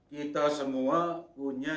kita semua punya